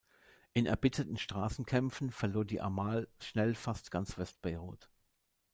In erbitterten Straßenkämpfen verlor die Amal schnell fast ganz West-Beirut.